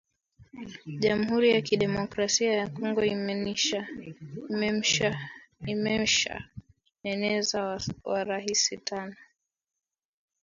Jamhuri ya ki democrasia ya kongo imesha eneza wa rahisi tano